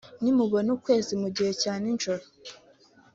“Nimubona ukwezi mu gihe cya nijoro